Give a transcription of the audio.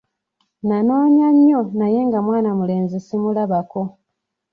Nanoonya nyo naye nga mwana mulenzi simulabako.